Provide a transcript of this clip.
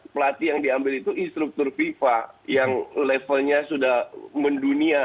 pelatih yang diambil itu instruktur fifa yang levelnya sudah mendunia